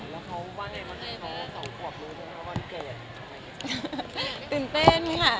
แล้วเขาว่ายังไงว่าเกด